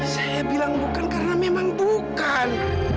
saya bilang bukan karena memang bukan